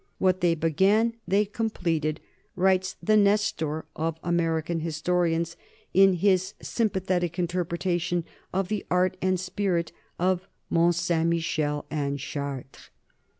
"What they began, they completed," writes the Nestor of American historians in his sym pathetic interpretation of the art and the spirit of Mont Saint Michel and Chartres.